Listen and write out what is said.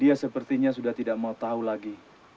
dia sepertinya sudah tidak mau tahu lagi